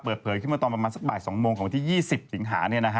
เปิดเผยขึ้นมาตอนประมาณสักบ่าย๒โมงของวันที่๒๐สิงหา